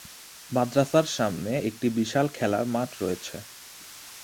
মাদ্রাসার সামনে একটি বিশাল খেলার মাঠ রয়েছে।